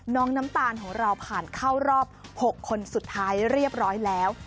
น้ำตาลของเราผ่านเข้ารอบ๖คนสุดท้ายเรียบร้อยแล้ว